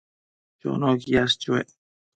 Chono quiash chuec